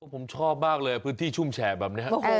ผมชอบมากเลยพื้นที่ชุ่มแฉแบบนี้